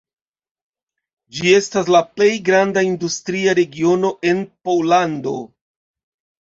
Ĝi estas la plej granda industria regiono en Pollando.